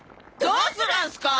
どうするんすか！？